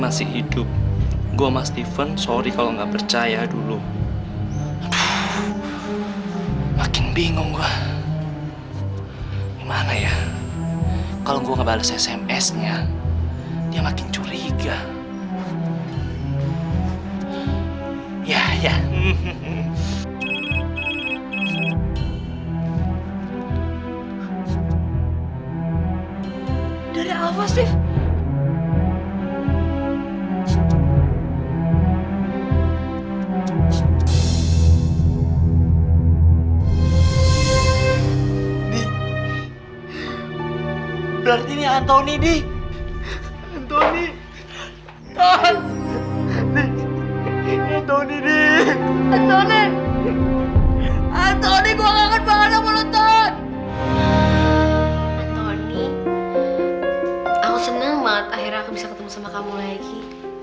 aku seneng banget akhirnya aku bisa ketemu sama kamu lagi